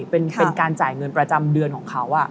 เป็นการจ่ายเงินประจำเดือนของเขา